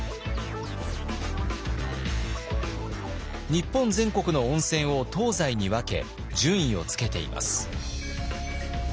日本全国の温泉を東西に分け順位をつけています。